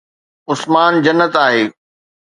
عثمان جنت آهي